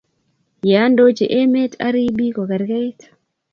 yeandochi emet oriib biik kokerkeit